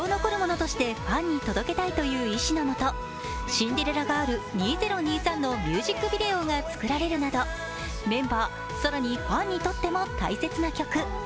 「シンデレラガール２０２３」のミュージックビデオが作られるなどメンバー、更にファンにとっても大切な曲。